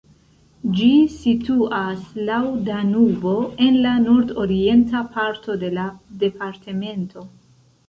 Ĝi situas laŭ Danubo en la nordorienta parto de la departemento.